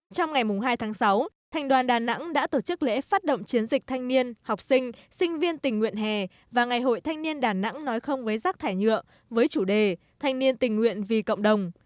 trong ngày hai tháng sáu thành đoàn đà nẵng đã tổ chức lễ phát động chiến dịch thanh niên học sinh sinh viên tình nguyện hè và ngày hội thanh niên đà nẵng nói không với rác thải nhựa với chủ đề thanh niên tình nguyện vì cộng đồng